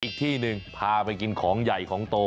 อีกที่หนึ่งพาไปกินของใหญ่ของโต